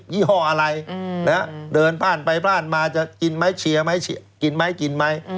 ี่ห้ออะไรเดินผ่านไปพลาดมาจะกินไหมเชียร์ไหมกินไหมกินไหม